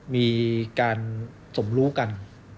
มีการสมรู้กัน